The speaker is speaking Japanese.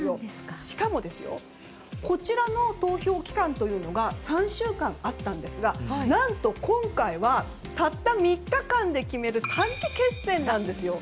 しかも、１次の投票期間が３週間あったんですが何と今回はたった３日間で決める短期決戦なんですよ。